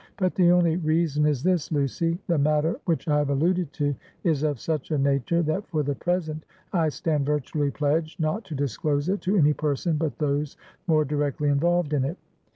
But the only reason is this, Lucy: the matter which I have alluded to, is of such a nature, that, for the present I stand virtually pledged not to disclose it to any person but those more directly involved in it.